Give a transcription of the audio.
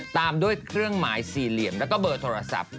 ตามด้วยเครื่องหมายสี่เหลี่ยมแล้วก็เบอร์โทรศัพท์